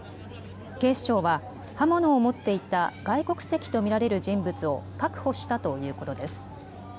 警視庁は刃物を持っていた外国籍と見られる人物を確保したということです。